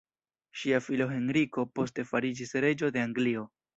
Ŝia filo Henriko poste fariĝis reĝo de Anglio.